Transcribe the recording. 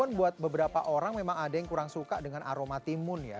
jadi buat beberapa orang memang ada yang kurang suka dengan aroma timun ya